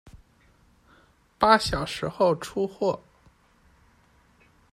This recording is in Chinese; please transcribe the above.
八小时后出货